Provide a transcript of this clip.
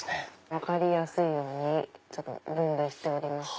分かりやすいように分類してます。